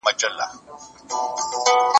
د ښځې غیبت نه باید د خاوند مال محفوظ وي.